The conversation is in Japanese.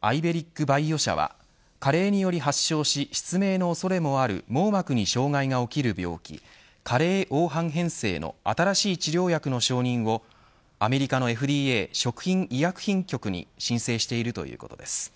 ＩｖｅｒｉｃＢｉｏ社は加齢により発症し失明の恐れもある網膜に障害が起きる病気加齢黄斑変性の新しい治療薬の承認をアメリカのＦＤＡ食品医薬品局に申請しているということです。